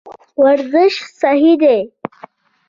ورزش صحي دی.